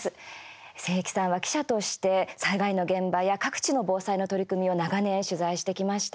清木さんは記者として災害の現場や各地の防災の取り組みを長年、取材してきました。